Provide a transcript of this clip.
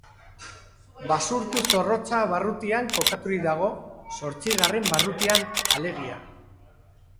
Basurtu-Zorrotza barrutian kokaturik dago, zortzigarren barrutian alegia.